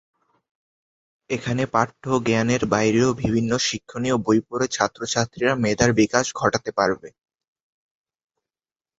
এখানে পাঠ্য জ্ঞানের বাইরেও বিভিন্ন শিক্ষনীয় বই পড়ে ছাত্রছাত্রীরা মেধার বিকাশ ঘটাতে পারবে।